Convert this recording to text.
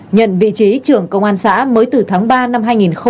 nhận vị trí trưởng công an xã mới từ tháng ba năm hai nghìn hai mươi